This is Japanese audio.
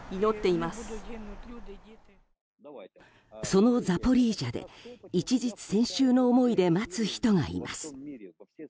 そのザポリージャで一日千秋の思いで待つ人がいます。